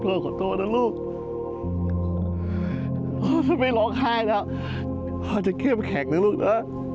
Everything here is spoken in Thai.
ขอโทษนะลูกพ่อถ้าไม่ร้องไห้แล้วพ่อจะเข้มแข็งนะลูกนะ